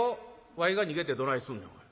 わいが逃げてどないすんねんおい。